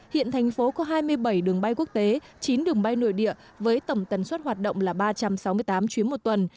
hiện thành phố có hai mươi bảy đường bay quốc tế chín đường bay nội địa với tầm tần suất hoạt động là ba trăm sáu mươi tám chuyến một tuần